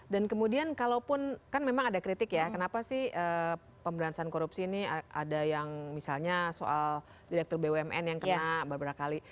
kemudian kalaupun kan memang ada kritik ya kenapa sih pemberantasan korupsi ini ada yang misalnya soal direktur bumn yang kena beberapa kali